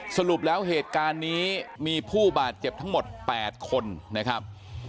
สรุปแล้วเหตุการณ์นี้มีผู้บาดเจ็บทั้งหมด๘คนนะครับ